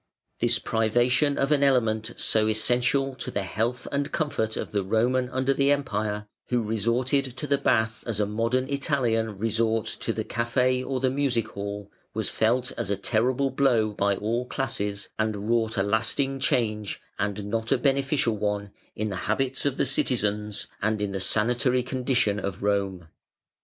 This privation of an element so essential to the health and comfort of the Roman under the Empire (who resorted to the bath as a modern Italian resorts to the café or the music hall), was felt as a terrible blow by all classes, and wrought a lasting change, and not a beneficial one, in the habits of the citizens, and in the sanitary condition of Rome.